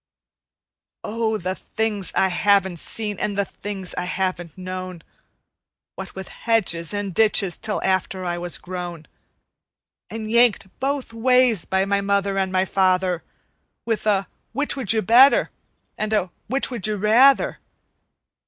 Oh, the things I haven't seen and the things I haven't known, What with hedges and ditches till after I was grown, And yanked both ways by my mother and my father, With a 'Which would you better?" and a "Which would you rather?"